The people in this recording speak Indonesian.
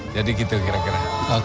jadi gitu kira kira